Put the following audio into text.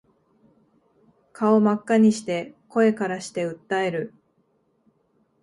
顔真っ赤にして声からして訴える